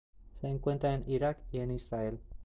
Se encuentra en Irak y en Israel.